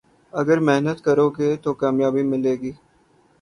اگر محنت کرو گے تو کامیابی ملے گی